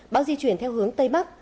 bão di chuyển theo hướng tây bắc